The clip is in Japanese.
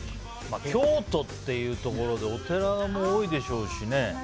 京都っていうところでお寺も多いでしょうしね。